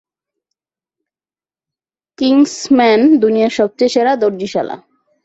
Kingsman, দুনিয়ার সবচেয়ে সেরা দর্জিশালা।